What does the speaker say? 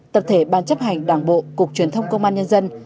tập thể ban chấp hành đảng bộ cục truyền thông công an nhân dân